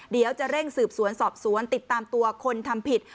เดี๋ยวจะเร่งสืบสวนสอบสวนติดตามตัวคนทำผิด